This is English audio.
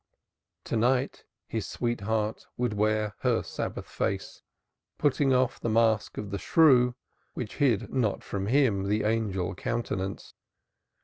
_" To night his sweetheart would wear her Sabbath face, putting off the mask of the shrew, which hid not from him the angel countenance.